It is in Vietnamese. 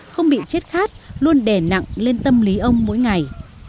không bị chết khát luôn đè nặng lên tâm lý ông mỗi ngày